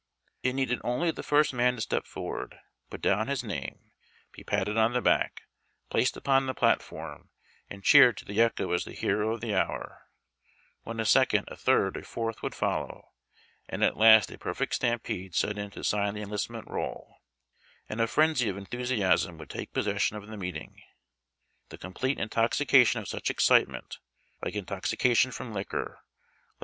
It needed only the first man to step forward, put down his name, be patted on the back, placed upon the platform, and cheered to the echo as the hero of the hour, when a second, a third, a fourth would follow, and at last a perfect stampede set in to sign the enlistment roll, and a frenzy of enthusiasm would take possession of the meeting. The complete intoxication of such excitement, like intoxication from liquor, left